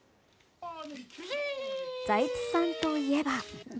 財津さんといえば。